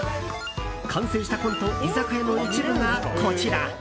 完成したコント「居酒屋」の一部がこちら。